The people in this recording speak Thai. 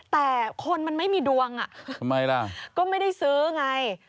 แต่คนมันไม่มีดวงอ่ะก็ไม่ได้ซื้อไงทำไมล่ะ